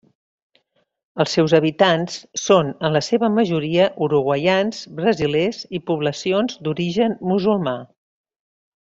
Els seus habitants són en la seva majoria uruguaians, brasilers i poblacions d'origen musulmà.